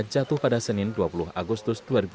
jatuh pada senin dua puluh agustus dua ribu dua puluh